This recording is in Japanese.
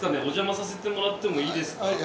おじゃまさせてもらってもいいですか？